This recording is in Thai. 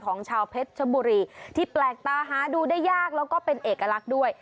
ของชาวเพชรชบุรีที่แปลกตาหาดูได้ยากแล้วก็เป็นเอกลักษณ์ด้วย